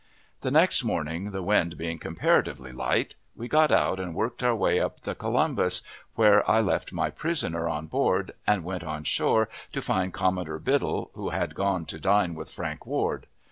The next morning, the wind being comparatively light, we got out and worked our way up to the Columbus, where I left my prisoner on board, and went on shore to find Commodore Biddle, who had gone to dine with Frank Ward.